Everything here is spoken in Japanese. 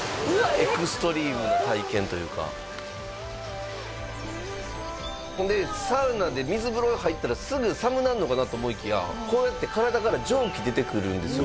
エクストリームな体験というかほんでサウナで水風呂に入ったらすぐ寒なんのかなと思いきやこうやって体から蒸気出てくるんですよ